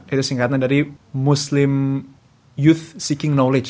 itu singkatan dari muslim youth siking knowledge